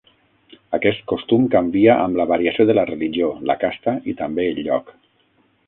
Aquest costum canvia amb la variació de la religió, la casta i també el lloc.